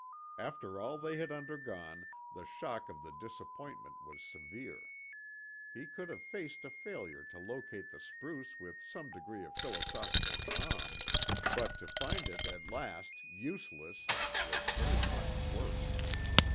After all they had undergone, the shock of the disappointment was severe. He could have faced a failure to locate the spruce with some degree of philosophical calm; but to find it at last, useless, was very much worse.